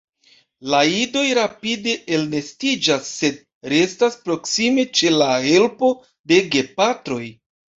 La idoj rapide elnestiĝas sed restas proksime ĉe la helpo de gepatroj.